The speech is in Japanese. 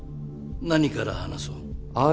何から話そう。